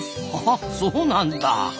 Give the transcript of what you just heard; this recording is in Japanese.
あそうなんだ。